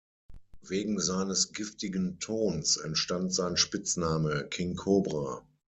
Wegen seines „giftigen“ Tons entstand sein Spitzname "King Cobra.